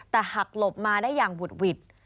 แต่หักหลบมาได้อย่างบุดหวิด